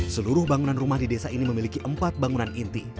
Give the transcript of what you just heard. seluruh bangunan rumah di desa ini memiliki empat bangunan inti